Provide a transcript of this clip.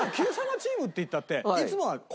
チームって言ったって。